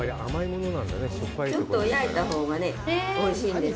ちょっと焼いたほうがね、おいしいんです。